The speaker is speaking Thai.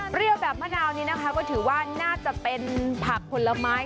แบบมะนาวนี้นะคะก็ถือว่าน่าจะเป็นผักผลไม้